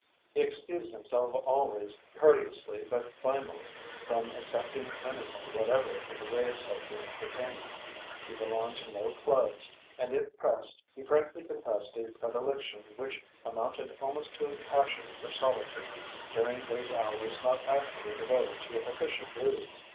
He excused himself always, courteously but finally, from accepting anything whatever in the way of social entertainment, he belonged to no clubs, and, if pressed, he frankly confessed a predilection which amounted almost to passion for solitude during those hours not actually devoted to official duties.